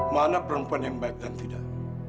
mana perempuan yang baik dan tidak